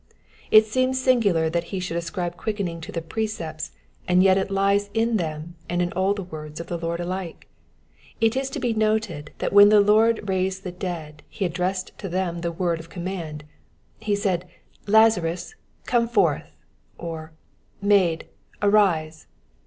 It seems singular that he should ascribe quickening to the precepts, and yet it lies in them and in all the words of the Lord alike. It is to be noted that when the Lord raised the dead he addressed to them the word of com mand. He said, Lazarus, come forth," or Maid, arise."